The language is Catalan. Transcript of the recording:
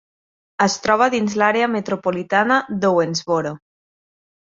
Es troba dins l'àrea metropolitana d'Owensboro.